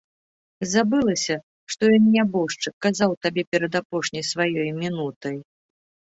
Забылася, што ён, нябожчык, казаў табе перад апошняй сваёй мінутай.